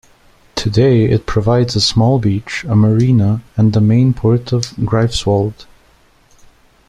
Today it provides a small beach, a marina and the main port for Greifswald.